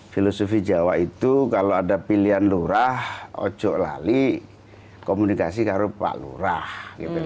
filosofi jawa itu kalau ada pilihan lurah ojo lali komunikasi keharupan lurah gitu